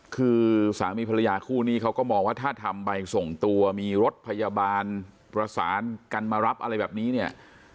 คือสามีภรรยาคู่นี้เขาก็มองว่าถ้าทำใบส่งตัวมีรถพยาบาลประสานกันมารับอะไรแบบนี้เนี่ย